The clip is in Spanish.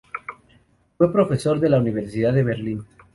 Fue profesor de la Universidad de Berlín.